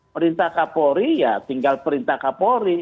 perintah kapolri ya tinggal perintah kapolri